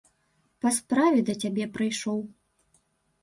Па справе да цябе прыйшоў.